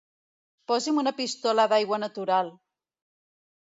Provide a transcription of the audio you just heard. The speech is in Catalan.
Posi'm una pistola d'aigua natural.